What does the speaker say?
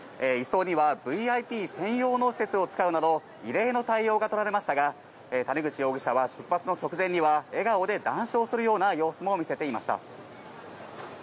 移送にはＶＩＰ専用の施設を使うなど、異例の対応が取られましたが、谷口容疑者は出発の直前には笑顔で談笑する様子も見せていました。